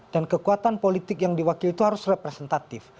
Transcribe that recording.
dan kekuatan politik yang diwakili itu harus representatif